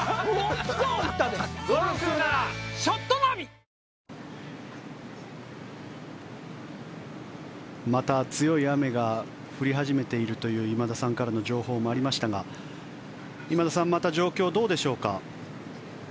あまた強い雨が降り始めているという今田さんからの情報もありましたが今田さん、また状況どうでしょうか？